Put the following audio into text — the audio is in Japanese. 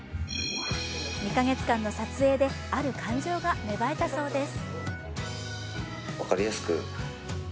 ２カ月間の撮影である感情が芽生えたそうです。